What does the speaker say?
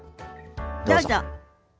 どうぞ。